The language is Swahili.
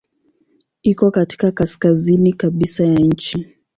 Iko katika kaskazini kabisa ya nchi.